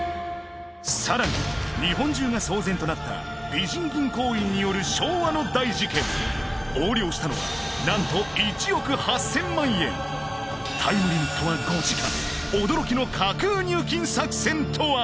さらに日本中が騒然となった美人銀行員による昭和の大事件横領したのは何と１億８０００万円タイムリミットは５時間驚きの架空入金作戦とは？